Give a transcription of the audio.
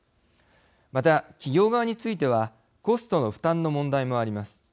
また、企業側についてはコストの負担の問題もあります。